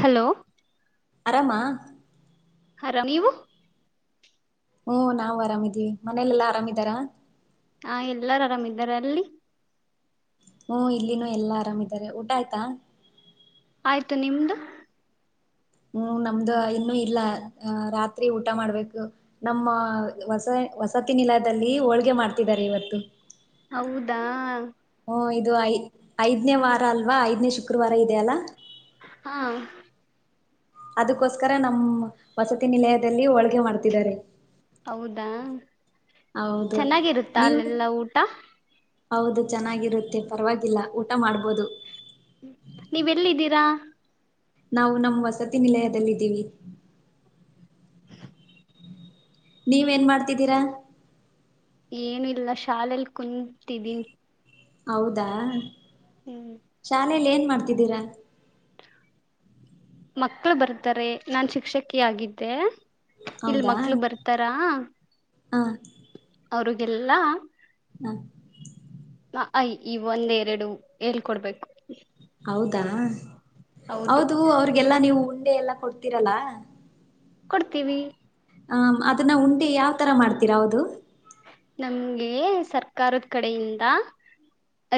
Hello ಆರಾಮಾ ಹರಾಮ ನೀವು ಹ್ಮ ನಾವವು ಆರಾಮಿದೀವಿ ಮನೇಲೆೆಲ್ಲಾ ಆರಾಮಿದಾರ ಹಾ ಎಲ್ಲಾರು ಆರಾಮ್ದಾರ ಅಲ್ಲಿ ಇಲ್ಲಿನ ಎಲ್ಲಾ ಆರಾಮ್ಾರೆ ಊಟ ಆಯ್ತಾ ಆಯ್ತು ನಿಮ್ದು ಹ್ಮ್ ನಮ್ದ ಇನ್ನುೂ ಇಲ್ಲ ಅ ರಾತ್ರಿ ಊಟ ಮಾಡ್ಬೇಕು ನಮ್ಮ ಹೊಸ ವಸತಿ ನಿಲದಲ್ಲಿ ಹೋಳ್ಗೆ ಮಾಡ್ತಿದಿದ್ದಾರೆ ಇವತ್ತು ಹೌದಾ ಇದು ಐ ಐದ್ನೇ ವಾರ ಅಲ್ವಾ ಐದ್ನೇ ಶುಕ್ರವಾರ ಇದೆ ಅಲ್ಲಾ ಹಾ ಅದಕ್ಕೋಸ್ಕರ ನಮ್ ವಸತಿ ನಿಲಯದಲ್ಲಿ ಹೋಳ್ಗೆ ಮಾಡ್ತಿದ್ದಾರೆ ಹೌದಾ ಹೌದು ಚೆನ್ನಾಗಿರುತ್ತಾ ನೀವು ಅಲ್ಲೆಲ್ಲಾ ಊಟ ಹೌದು ಚೆನ್ನಾಗಿರುತ್ತೆ ಪರವಾಗಿಲ್ಲ ಊಟ ಮಾಡ್ಬೋದು ನೀವೆಲ್ಲಿದ್ದೀರಾ ನಾವು ನಮ್ಮ್ ವಸತಿ ನಿಲಯದಲ್ಲಿದ್ದೀವಿ ನೀವ ೇನ್ ಮಾಡ್ತಿದ್ದೀರಾ ಏನು ಇಲ್ಲ ಶಾಲೆಲಿ ಕುಂತಿದೀನಿ ಹೌದಾ ಚಾ ಮನೇಲಿ ಏನ್ ಮಾಡ್ತಿದ್ದೀರಾ ಮಕ್ಳು ಬರ್ತಾರೆ ನಾನ್ ಶಿಕ್ಷಕಿ ಆಗಿದ್ದೆ. ಇಲ್ ಹೌದಾ ಮಕ್ಳು ಬರ್ತಾರಾ ಹ ಅವ್ರುಗೆಲ್ಲ ಹಾ ಆ ಆ ಇ ಈ ಒಂದ ಎರಡು ಹೇಳ್ ಕೊಡ್ಬೇಕು. ಹೌದಾ? ಹೌದು ಅವ್ರಿಗೆಲ್ಲಾ ನೀವು ಉಂಡೆ ಎಲ್ಲಾ ಕೊಡ್ತಿರಲ ಕೊಡ್ತೀವಿ ಹ ಅದನ್ನ ಉಂಡೆ ಯಾವ್ ತರ ಮಾಡ್ತೀರಾ ಹೌದು ನಮ್ಗೆ ಸರ್ಕಾರದ್ ಕಡೆಯಿಂದ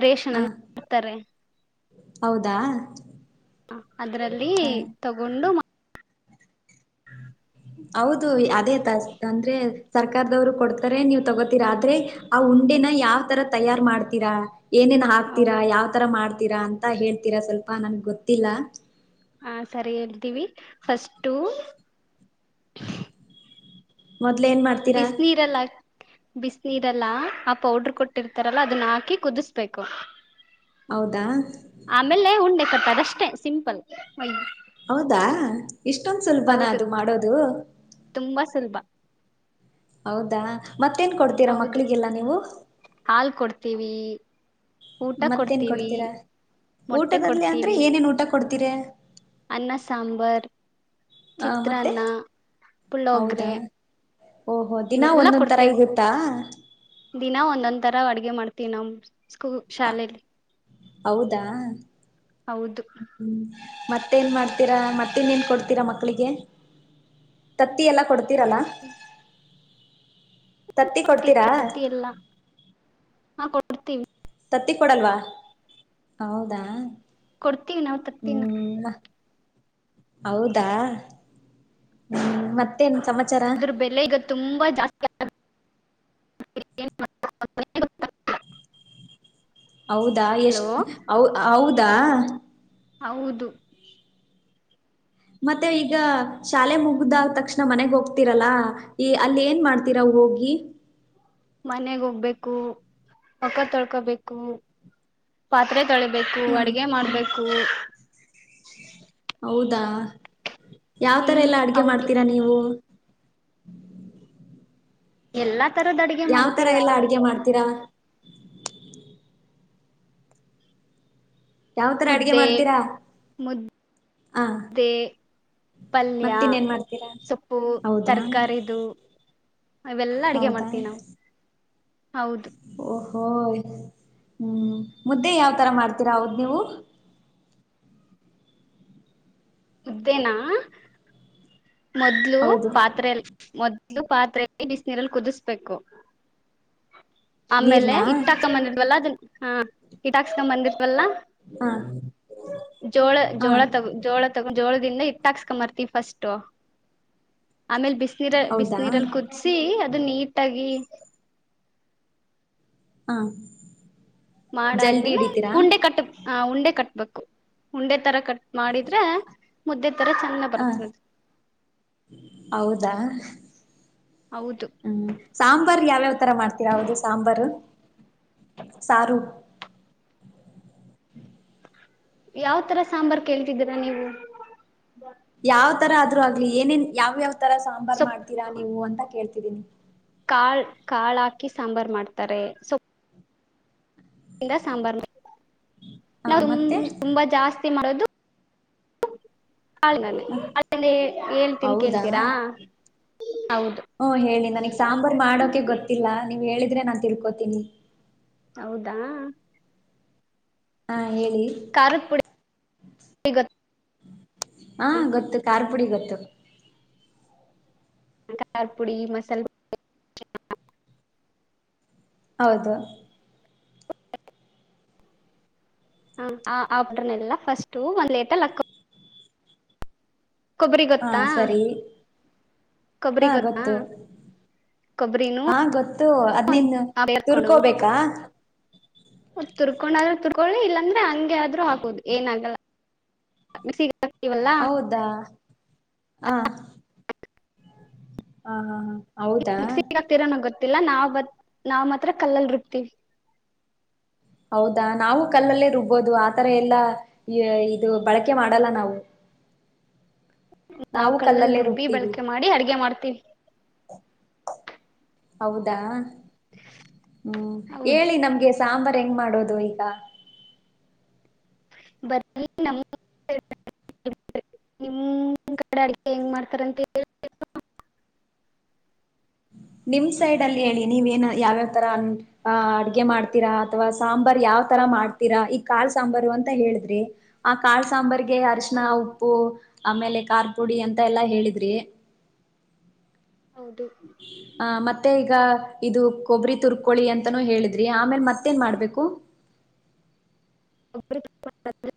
ರೇಷನ್ ಹ ಅಂತ್ ಡ್ತಾರೆ. ಹೌದಾ ಅದ್ರಲ್ಲಿ ಹ ತಗೊಂಡು ಹೌದು ಅದೇ ತ ಅಂದ್ರೆ ಸರ್ಕಾರದವ್ರು ಕೊಡ್ತಾರೆ ನೀವ್ ತಗೋತೀರಾ ಆದ್ರೆ ಆ ಉಂಡೆನ ಯಾವ ತರ ತಯಾರ್ ಮಾಡ್ತೀರಾ? ಏನೇನ್ ಹಾಕ್ತೀರ ಹ ಯಾವ ತರ ಮಾಡ್ ತೀರಾ ಅಂತ ಹೇಳ್ತೀರಾ ಸ್ವಲ್ಪ ನನ್ಗ್ ಗೊತ್ತಿಲ್ಲ. ಹಾ ಸರಿ ಹೇಳ್ತೀವಿ ಫಸ್ಟು ಮೊದ್ಲ್ ಏನ್ ಮಾಡ್ತೀರಾ? ಬಿಸಿನೀರೆಲ್ಲ ಆ ಪೌಡರ್ ಕೊಟ್ಟಿರ್ತಾರಲ್ಲ ಅದನ್ನ ಹಾಕಿ ಕುದಿಸಬೇಕು. ಹೌದಾ ಆಮೇಲೆ ಉಂಡೆ ಕಟ್ ಅದಷ್ಟೇ ಸಿಂಪಲ್. ಹೌದಾ ಇಷ್ಟೊಂದ ಸುಲಭನ ಹೌದು ಅದು ಮಾಡೋದು. ತುಂಬಾ ಸುಲಭ ಹೌದಾ ಮತ್ತೇನ್ ಕೊಡ್ತೀರಾ ಮಕ್ಕಳಿಗೆಲ್ಲ ನೀವು? ತಿವಿ. ಮತ್ತೇನ್ ಕೊಡ್ತೀರಾ ಮೊಟ್ಟೆ ಊಟದಲ್ಲಿ ಅಂದ್ರೆ ಕೊಡ್ತೀವಿ ಏನೇನ್ ಊಟ ಕೊಡ್ತೀರೆ? ಅನ್ನ ಸಾಂಬಾರ್, ಮತ್ತೆ ಚಿತ್ರಾನ್ನ, ಹೌದಾ ಪುಳ್ಳೋಗ್ರೆ ಓಹೋ ದಿನ ಇವೆಲ್ಲಾ ಒಂದೊಂದು ಥರ ಕೊಡ್ತೀವಿ ಇರುತ್ತಾ ದಿನ ಒಂದೊಂದ್ ತರ್ ಅಡ್ಗೆ ಮಾಡ್ತೀವಿ ನಮ್ಮ ಸ್ಕೂ ಶಾಲೆಲಿ. ಹೌದಾ ಹ್ಮ್ ಮತ್ತೇನ್ ಮಾಡ್ತೀರಾ ಮತ್ತೇನ್ ಇನ್ನೇನ್ ಕೊಡ್ತೀರಾ ಮಕ್ಕಳಿಗೆ ತತ್ತಿ ಎಲ್ಲಾ ಕೊಡ್ತೀರಲ್ಲ? ತತ್ತಿ ಕೊಡ್ತೀರಾ ಪ್ರತಿ ಎಲ್ಲ ಹಾ ಕೊಡ್ತೀವಿ. ತತ್ತಿ ಕೊಡಲ್ವಾ ಹೌದಾ ಕೊಡ್ತೀವಿ ನಾವು ತತ್ತಿನ ಹ್ಞೂ ಹೌದಾ ಹ್ಮ ಮತ್ತೇನ್ ಸಮ ಅದ್ರ ಬೆಲೆ ಈಗ ತುಂಬಾ ಜಾಸ್ತಿ ಆಗ್ [inaudible] ಹೌದಾ ಎಷ್ಟ ಹೌ ಹೌದ್ ತ್ತಾ ಹೌದು ಮತ್ತೆ ಈಗ ಶಾಲೆ ಮುಗ್ದ ತಕ್ಷಣ ಮನೆಗ್ ಹೋಗ್ತರಲ್ಲ ಈ ಅಲ್ಲಿ ಏನ್ ಮಾಡ್ತೀರ ಹೋಗಿ ಮನೆಗ್ ಹೋಗ್ಬೇಕು ಮೋಕಾ ತೊಳ್ಕೊಬೇಕು ಪಾತ್ರೆ ತಳಿಬೇಕು ಹ್ಮ್ ಅಡಗೆ ಮಾಡ್ಬೇಕು [inaudible] ಹೌದಾ ಯಾವ ತರ ಹ್ಮ್ ಎಲ್ಲಾ ಅಡ್ಗೆ ಹೌದು ಮಾಡ್ತೀರಾ ನೀವು ಎಲ್ಲ ಯಾವ್ ತರ ಎಲ್ಲಾ ಅಡ್ಗೆ ಮಾಡ್ತೀರಾ ಯಾವತರ ಅಡ್ಗೆ ಮುದ್ದೆ ಮಾಡ್ತೀರಾ ಹ ಮುದ್ದೆ ಪಲ್ಯ ಮತ್ತಿನ್ನೇನ್ ಮಾಡ್ತೀರಾ ಸೊಪ್ಪು ಹೌದಾ ತರಕಾರಿದು ಇವೆಲ್ಲಾ ಅಡಗೆ ಹೌದಾ ಮಾಡ್ತೀವಿ ನಾವು ಹೌದು ಹೋಯ್ ಹ್ಮ್ ಮುದ್ದೆ ಯಾವ್ತರ ಮಾಡ್ತೀರಾ ಹೌದ್ ನೀವು ಮುದ್ದೇನಾ ಮೊದ್ಲು ಹೌದು ಪಾತ್ರೆ ಮೊದ ಇದು ಪಾತ್ರೆೆಯಲ್ಲಿ ಬಿಸಿನೀರಲ್ಲಿ ಕುದಿಸ್ಬೇಕು ಆಮೇಲೆ ನೀರ್ನಾ ಇಟ್ಟಾಕ್ಕ ಮನಿಲ್ವಲ್ಲ ಅದನ್ನ ಹಾ ಕಿಟಾಕ್ಸ್ಕೊಂಡ್ ಬಂದಿತ್ವಲ್ಲಾ ಹ ಜೋಳ ಹ ಜೋಳ ತಗ ಜೋಳ ಇಾಸ್ಕರ್ತ ಫಸ್ಟ್ ಆಮೇ ಬ ಬ ನೀರ ಬಿಸ ಹೌದಾ ನೀೀರಲ್ಲಿ ಕುದಿಸಿಿ ಅದು ನೀಟ್ ಆಾಗಿಿ ಹ ಜಲ್ದಿ ಮಾಡಾದ್ಮೇಲೆ ಹಿಡಿತೀರಾ ಉಂಡೆ ಕಟ್ಟ ಉಂಡೆ ಕಟ್ಬೇಕು ಉಂಡೆ ತರ ಕಟ್ ಮಾಡಿದ್ರೆ ಮುದ್ದೆ ತರ ಚಂದ ಹಾ ಬರ್ತದ ಹೌದಾ ಹೌದು ಹ್ಮ್ ಸಾಂಬಾರ್ು ಯಾವ್ಯಾವ್ ತರ ಮಾಡ್ತೀರ ಹೌದು ಸಾಂಬಾರು ಸಾರು ಯಾವ ತರ ಸಾಂಬಾರ್ು ಕೇಳ್ತಿದ್ದೀರಾ ನೀವು ಯಾವ್ ತರ ಆದ್ರೂ ಆಗ್ಲಿ ಏನೇನ್ ಯಾವ ಯಾವ ತರ ಸಾಂಬಾರ್ ಸೊಪ್ ಮಾಡ್ತೀಾ ನೀವು ಅಂತ ಕೇಳ್ೀ ರಿನಿ ಕಾಳ್ ಕಾಳು ಹಾಕಿ ಸಾಂಬಾರು ಮಾಡ್ತಾರೆ ಸೊ ಿಂದ ಸಾಂಬಾರ್ ಹ ನಾವು ಮತ್ತೆ ತುಂಬಾ ಜಾಸ್ತಿ ಮಾಡೋದು ಹಾಳನಲ್ಲಿ ಅಲ್ಲಿ ಹೇಳ್ತೀನ್ ಹೌದಾ ಹ ಕೇಳ್ತೀರಾ ಹೌದು ಹೇಳಿ ನನಗ್ ಸಾಂಬಾರ್ು ಮಾಡೋಕೆ ಗೊತ್ತಿಲ್ಲ ನೀವ್ ಹೇಳ ್ರೆ ನಾನ್ ತಿಳ್ಕೋತೀನಿ ಹೌದಾ ಹಾ ಹೇಳಿ ಹಗ ಹಾ ಗೊತ್ತು ಕಾರ್ ಅಡಗತ್ತು ಕಾರ್ ಪುಡಿ ಮಸಾಲ ಹೌದು ಹ ಆಬ್ರನೆಲ್ಲಾ ಫಸ್ಟ್ು ಒಂದ್ ಲೇಟಲ್ಲಿ ಹಕ್ಕ ಹಾ ಗೊತ್ತಾ ಸರಿ ಹಾ ಕೊಬ್ಬರಿ ಗೊತ್ತಾ ಗೊತ್ತು ಕೊಬ್ಬರಿನೂ ಹಾ ಗೊತ್ತು ಅದ್ ನಿನ್ ಬೇರ್ಕೊಂಡು ತುರ್ಕೋಬೇಕಾ ತುರ್ಕೊಂಡಾದ್ರೂ ತುರ್ಕೊಳ್ಳಿ ಇಲ್ಲಾಂದ್ರೆ ಹಂಗೆ ಆದ್ರೂ ಹಾಕುದು ಏನಾಗಲ್ಲ ಹಾಕ್ತಿವಲ್ಲಾ ಹೌದಾ ಹಾ ಹಾ ಹಾ ಹಾ ಹೌದಾ ಮಿಕ್ಸಗ ಆಗ್ತೀರ ನ ಗೊೆ ಗತ್ತಲ್ಲ ನಾವ್ ಬತ್ ನಾವ್ ಮಾತ್ರ ಕಲ್ಲಲ್ ರುಕ್ತಿೀವಿ ಹೌದಾ ನಾವು ಕಲ್ಲಲ್ಲೇ ರುಬ್ಬೋದು ಆತರ ಎಲ್ಲಾ ಇದು ಬಳಕೆ ಮಾಡಲ್ಲ ನಾವು ನಾವವು ನಾವು ಕಲ್ಲಲ್ಲಿ ಕಲ್ಲಲ್ಲೇ ರುಬ್ಬಿ ರುಬ್ತೀವಿ ಬಳಕೆ ಮಾಡಿ ಅಡ್ಗೆ ಮಾಡ್ತೀವಿ ಹೌದಾ ಹ್ಮ್ ಹೌದು ಹೇಳಿ ನಮ್ಗೆ ಸಾಂಬಾರ್ು ಹೆಂಗ್ ಮಾಡೋದು ಈಗ ಬರಿ ನಿಮ ಕಡೆ ಅಡಗೆ ಹೆಂಗ್ ಮಾಡ್ತಾರಂತ [unintelligible] ನಿಮ್ ಸೈಡ್ ಅಲ್ಲಿ ಹೇಳಿ ನೀವ ಏನ ಯಾವ್ಯಾವ್ ತರ ಅ ಅಡ್ಗೆ ಮಾಡ್ತೀರಾ ಅಥವಾ ಸಾಂಬಾರ್ ಯಾವ ತರ ಮಾಡ್ತೀರಾ ಕಾಳ್ ಸಾಂಬಾರು ಅಂತ ಹೇಳಿದ್ರಿ ಆ ಕಾ ಸಾಂಬಾರ್ಗೆ ಹಾ ಅರ್ಶನ ಉಪ್ಪು ಆಮೇಲೆ ಕಖಾರ್ ಪುಡಿ ಅಂತ ಎಲ್ಲಾ ಹೇಳಿದ್ರಿ ಹೌದು ಹ ಮತ್ತೆ ಈಗ ಇದು ಕೊಬರಿಿ ತುರ್ಕೋಳಿ ಅಂತಾನೂ ಹೇಳಿದ್ರಿ ಆಮೇಲೆ ಮತ್ತೇನ್ ಮಾಡ್ಬೇಕು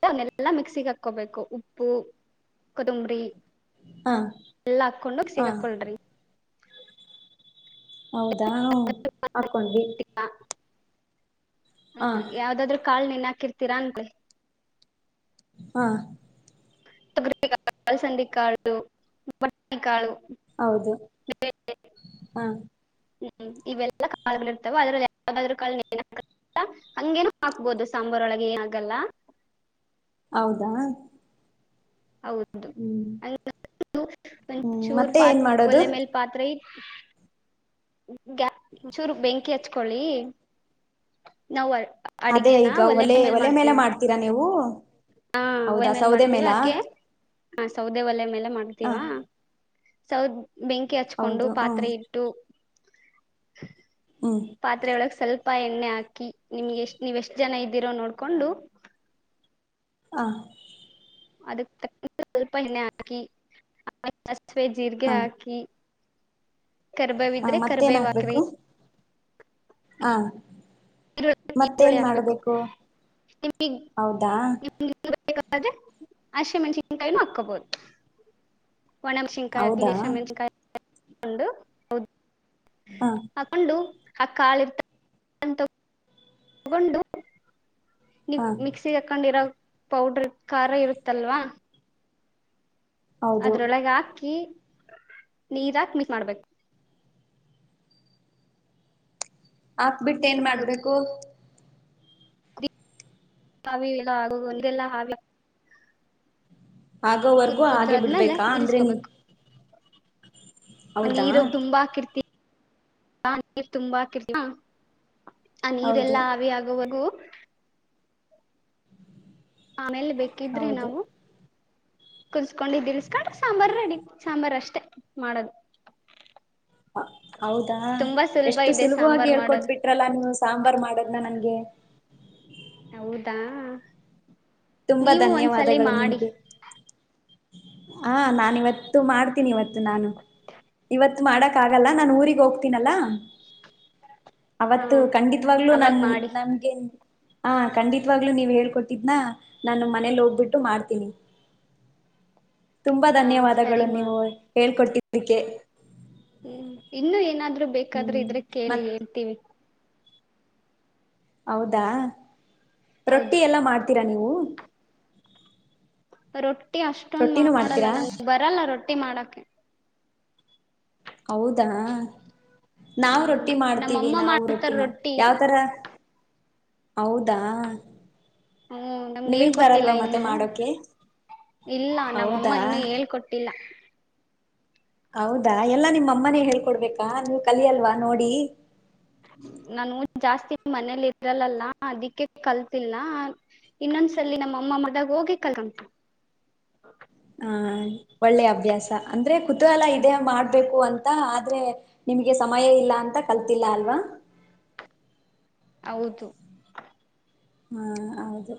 ಅವನ್ನೆಲ್ಲಾ ಮಿಕ್ಸಿಿಗೆ ಹಾಕೋಬೇಕು ಉಪ್ಪು [unintelligible] ಕೊದಂಬರಿ ಹಾ ಎಲ್ಲ ಹಾಕ್ಕೊಂಡೋಗ ಹಾ ಸಿಗಾಕ್ಕೊಳ್ರಿ ಹೌದಾ ಹಾಕೊಂಡ್ವಿ ಹ್ಮ ಹಾ ಯಾವ್ದಾದ್ೂ ಕಾಳ ನಿನ ಹಾಕಿರ್ತೀರಾ ಅಂತೆ ಹಾ ೃ ಸಂಡಿಕಾಳಟ್ಟಿಕಾಳು [unintelligible] ಹೌದು ಹಾ ಹ್ಮ್ ಇವೆಲ್ಲಾ ಕಾಗಳ ಇರ್ತಾವ ಅದ್ರಲ್ಲಿ ಯ ಕ ಹಂಗೇನು ಹಾಕ್ಬೋದು ಸಾಂಬಾರ್ ಒಳಗೆ ಆಗಲ್ಲ [unintelligible] ಹೌದಾ ಹೌದು ಹ್ಮ್ ಹ್ಮ್ ಒಂಚೂರ್ ಮತ್ತೆ ಏನ್ ಪಾತ್ ಮಾಡೋದು ಒಲೆ ಮೇಲ್ ಪಾತ್ರೆ ಇಟ್ ಚೂರು ಬೆಂಕಿ ಹಚ್ಕೊಳ್ಳಿ ನಾವ್ ಅದೇ ಅಡಿಗೆನ ಈಗ ಒಲೆ ಮೇಲ್ ಒಲೆ ಮೇಲೆ ಮಾಡ್ತೀವಿ ಮಾಡ್ತೀರಾ ನೀವು [inaudible] ಹಾ ಒಲೆ ಹೌದಾ ಮೇಲೆ ಸೌದೆ ಮಾಡ್ತೀವ ಮೇಲಾ ಅಕೆ ಹ ಸೌದೆ ಒಲೆ ಮೇಲೆ ಹಾ ಮಾಡ್ತೀವಾ ಸೌದ ಬೆಂಕಿ ಹಚ್ಕೊಂಡು ಹೌದು ಹ್ಮ ಪಾತ್ರೆ ಇಟ್ಟು ಹ್ಮ್ ಪಾತ್ರೆ ಒಳಗ್ ಸ್ವಲ್ಪ ಪಪ್ಪ ಎಣ್ಣೆ ಹಾಕಿ ನಿಮ್ಗೆ ಎಷ್ಟ್ ನೀವ್ ಎಷ್ಟ್ ಜನ ಇದ್ದೀರೋ ನೋಡ್ಕೊಂಡು ಹ ಅದಕ್ ತ ಸ್ವಲ್ಪ ಎಣ್ಣೆ ಹಾಕಿ [unintelligible] ಸ್ವೇ ಜೀರಿಗೆ ಹ ಹಾಕಿ ಹ ಕರ್ಬವಿದ್ರೆ ಮತ್ತೇನ್ ಕರ್ಬವಕ್ರಿ ಹಾ ಈರುಳ್ಳಿ ಈರುಳ್ಳಿ ಹಾಕ್ಬೇಕು ನಿಮಗ್ ಹೌದಾ ಅಷ್ಟೆ ಮನುಷಿನ್ ಕಾಯನು ಹಾಕ್ಕೋಬೋದು ಒಣಮ ಶಂಕಾಯ ಹೌದಾ ಅಗ್ಿಲೇಶಮ ಕೊಂಡು ಹೌದು ಹ ಹಕೊಂಡು ಆಕ್ಕಾಳಿ ಇರ್ತ ತಗೊಂಡು ನೀ ಹ ಮಿಕ್ಸಿ ಹಾಕೊಂಡಿರ ಪೌಡರ್ ಖಾರ ಇರುತ್ತಲ್ವಾ ಹೌದು ಅದ್ರೊಳಗೆ ಹಾಕಿ ನೀ ಇದಾಕ ಮಿಸ್ ಮಾಡ್ಬೇಕು ಹಾಕ್ಬಿಟ್ಟ ಏನ್ ಎರಡ್ ಮೂರ್ ಮಾಡ್ಬೇಕು ಹಾವಿ ಇಲ್ಲ ಆಗ ಒಂದೆಲ್ಲ ಹಾವಿ ಕುದ್ ಆಗೋವರೆಗೂ ಹಾಗೆ ಕುದ್ದಾದ್ಮೇಲೆ ಬಿಡ್ಬೇಕಾ ಅಂದ್ರೆ ನೀ ಮ ಹೌದಾ ನೀರು ತುಂಬಾ ಹಾಕಿರ್ತಿ ಹ ನೀರ್ ತುಂಬಾ ಹಾಕಿರ್ತಾ ಅ ಹೌದು ನೀರೆಲ್ಲಾ ಅವಿ ಆಗುವವು ಹ ಮ ಎಲ್ಲಿ ಬೇಕಿದ್ರೆ ಹೌದು ನಾವು ಕುನ್ಸ್ಕೊಂಡು ಇದಿಿಸಸ್ಕೊಂಡ್ರ ಸಾಂಬಾರ್ು ರೆಡಿ ಸಾಂಬಾರು ಅಷ್ಟೆ ಮಾಡೋದು ಹಾ ಹೌದಾ ತುಂಬಾ ಸುಲಭ ಎಷ್ಟು ಇದೆ ಸುಲಭವಾಗಿ ಸಾಂಬಾರ್ ಮಾಡೋದು ಹೇಳ್ಕೊಟ್ಬಿಟ್ರಲ್ಲ ನೀವು ಸಾಮ ಬರ್ ಮಾಡದ್ನಾ ನನ್ಗೆ ಹೌದಾ ತುಂಬಾ ನೀವು ಒಂದ್ಸಲಿ ಧನ್ಯವಾದಗಳು ಮಾಡಿ ನಿಮಗೆ ಹ ನಾ ಇಿವತ್ತು ಮಾಡ್ತೀನಿ ಇವತ್ತು ನಾನು ಇವತ್ತು ಮಾಡಕ್ ಆಗಲ್ಲ ನಾನು ಊರಿಗೆ ಹೋಗ್ತೀನಲ್ಲ ಹಾ ಅವತ್ತು ಖಂಡಿತವಾಗ್ಲುೂ ಅವಾಗ ನನ್ ಮಾಡಿ ನಮಗೆೇನ್ ಹ ಖಂಡಿತವಾಗ್ಲು ನೀವ್ ಹೇಳ್ಕೊಟ್ಟಿದ್ನಾ ನಾನ ಮನೇಲಿ ಹೋಗ್ಬಿಟ್ಟು ಮಾಡ್ತೀನಿ ತುಂಬಾ ಹಾ ಧನ್ಯವಾದಗಳು ಸರಿಮಾ ನೀವು ಹೇಳ್ಕೊಡ್ಟ್ಟೀ ಅಕ್ಕೆೆ ಹ್ಮ್ ಇನ್ನು ಏನಾದ್ರು ರು ಬೇಕಾದ್ರೆ ಇದ್ರ ಕೇಳಿ ಮತ್ ಹೇಳ್ತೀವಿ ಹೌದಾ ಹೌದು ರೊಟ್ಟಿ ಎಲ್ಲ ಮಾಡ್ತೀರಾ ನೀವು ಹಓ ರೊಟ್ಟಿ ಅಷ್ಟೊಂದ ಮಾಡಲ್ಲ ನಂ ಬರಲ್ಲ ರೊಟ್ಟಿ ಮಾಡಕ ಹೌದಾ ನಾವವು್ ಹ್ಮ್ ರೊಟ್ಟಿ ಮಾಡ್ತೀವಿ ನಮ್ಮಮ್ಮ ನಾವು ಮಾಡ್ತಾರ ರೊಟ್ಟಿ ಮಾಡ ಯಾವ್ತರ ಹೌದಾ ಹ್ಮ ನಮ್ಗೆ ನಿಮಗ್ ಹೇಳ್ಕೊಟ್ಟಿಲ್ಲ ಬರಲ್ವಾ ಮತ್ತೆ ಇನ್ನು ಮಾಡೋಕೆ ಇಲ್ಲ ನಾವಮ್ಮ ಹೌದಾ ಇನ್ನುೂ ಹೇಳ್ಕೊಟ್ಟಿಲ್ಲ ಹೌದಾ ಎಲ್ಲಾ ನಿಮ್ಮ ಅಮ್ಮನೇ ಹೇಳ್ಕೊಡ್ಬೇಕಾ ನೀವ್ ಕಲಿಿಯಲ್ವಾ ನೋಡಿ ನಾನು ಜಾಸ್ತಿ ಮನೇಲಿ ಇದ್ರಲ್ಲಲ್ಲಾ ಅದಿಕ್ಕೆ ಕಲ್ತಿಲ್ನ ಇನ್ನೊಂದ್ಸಲ ನಮ್ಮ ಅಮ್ಮ ಮದಾಗ ಹೋಗಿ ಕಲ್ಂಟ ಆ ಒಳ್ಳೆ ಅಭ್ಯಾಸ ಅಂದರೆ ಕುತೂಹಲ ಇೇ ಮಾಡ್ಬೇಕು ಅಂತ ಆದ್ರೆ ನಿಮ್ಗೆ ಸಮಯ ಇಲ್ಲ ಅಂತ ಕಲ್ತಿಲ್ಲ ಅಲ್ವಾ ಹೌದು ಹಾ ಹೌದು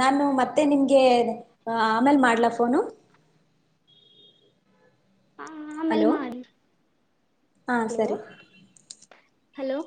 ನಾನು ಮತ್ತೆ ನಿಮ್ಗೆ ಆಮೇಲ್ ಮಾಡ್ಲ ಫೋನು ಆಮೇಲ್ ಹಲೋ ಮಾಡಿ ಹಾ ಹಲೋ ಸರಿ ಹಲೋ